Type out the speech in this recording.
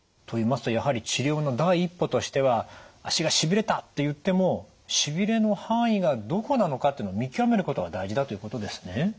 といいますとやはり治療の第一歩としては「足がしびれた」っていってもしびれの範囲がどこなのかってのを見極めることが大事だということですね。